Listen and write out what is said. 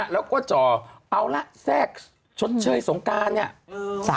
แล้วก็จ่อเอาละแทรกชดเชยสงการเนี่ย